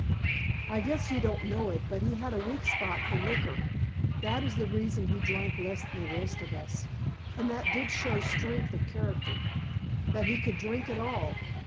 "I guess you don't know it, but he had a weak spot for liquor. That is the reason he drank less than the rest of us and that did show strength of character: that he could drink at all.